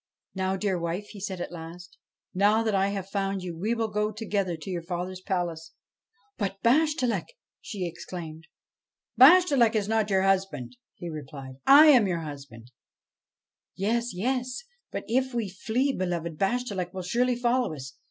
' Now, dear wife," he said at last ;' now that I have found you, we will go together to your father's palace.' ' But Bashtchelik !' she exclaimed. ' Bashtchelik is not your husband,' he replied ;' I am your husband.' ' Yes, yes ; but if we flee, beloved, Bashtchelik will surely follow us.